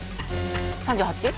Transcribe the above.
３８？